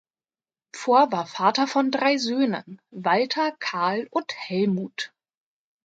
Pforr war Vater von drei Söhnen, Walter, Karl und Helmut.